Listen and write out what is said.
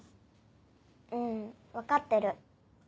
うん分かってる。